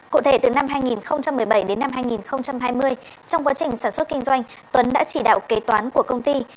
cụ thể từ năm hai nghìn một mươi bảy đến năm hai nghìn hai mươi trong quá trình sản xuất kinh doanh tuấn đã chỉ đạo kế toán của công ty